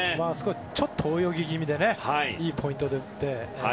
ちょっと泳ぎ気味でいいポイントで打って。